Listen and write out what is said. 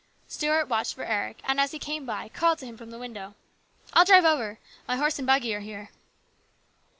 Stuart watched for Eric, and, as he came by, called to him from the window :" I'll drive over. My horse and buggy are here."